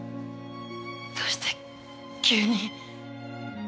どうして急に。